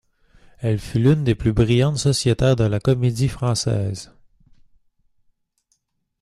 Elle fut l'une des plus brillantes sociétaires de la Comédie-Française.